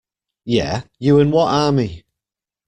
Yeah, you and what army?